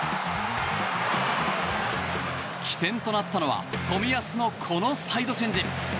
起点となったのは冨安のこのサイドチェンジ。